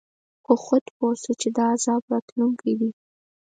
خو هود پوه شو چې دا عذاب راتلونکی دی.